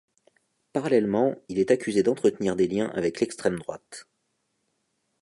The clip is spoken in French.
Parallèlement, il est accusé d'entretenir des liens avec l'extrême-droite.